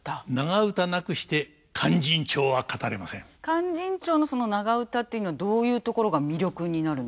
「勧進帳」のその長唄っていうのはどういうところが魅力になるんですか。